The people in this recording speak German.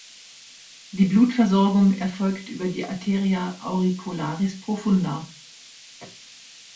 Die Blutversorgung erfolgt über die Arteria auricularis profunda.